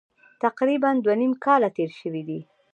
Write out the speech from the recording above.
تقریبا دوه نیم کاله تېر شوي دي.